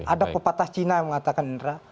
ada pepatah cina yang mengatakan indra